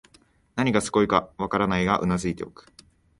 何がすごいかわからないが頷いておく